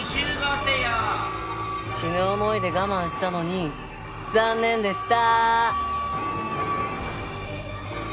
死ぬ思いで我慢したのに残念でした！